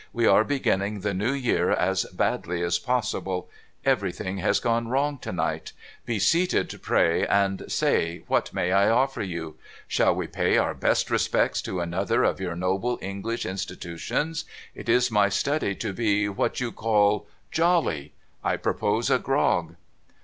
We are beginning the New Year as badly as possible ; everything has gone wrong to night. Be seated, pray — and say, Avhat may I offer you ? Shall we pay our best respects to another of your noble English institutions? It is my study to be, what you call, jolly. I i)ropose a grog.'